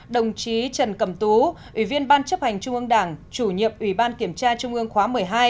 đồng chí trần cầm tú ủy viên ban chấp hành trung ương đảng chủ nhiệm ủy ban kiểm tra trung ương khóa một mươi hai